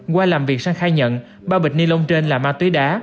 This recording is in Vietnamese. qua làm việc sang khai nhận ba bịch ni lông trên là ma túy đá